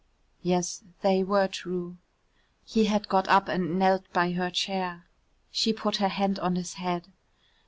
"Yes, they were true." He had got up and knelt by her chair. She put her hand on his head.